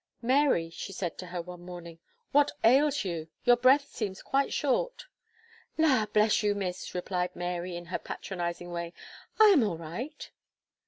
"Mary," she said to her, one morning, "what ails you? Your breath seems quite short." "La! bless you, Miss," replied Mary, in her patronizing way, "I am all right."